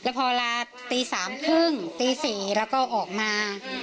พอเวลาตี๓๓๐ตี๔แล้วก็ออกมา